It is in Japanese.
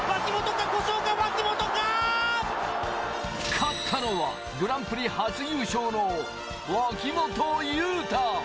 勝ったのはグランプリ初優勝の脇本雄太。